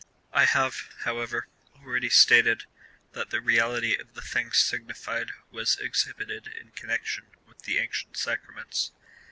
^ I have, however, already stated,* that the reality of the things signified was exhibited in connection with the ancient sacraments.